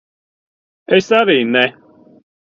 Es arī ne.